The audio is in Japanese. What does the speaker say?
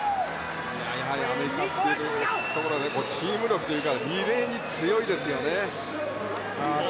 アメリカというところでチーム力というかリレーに強いですよね。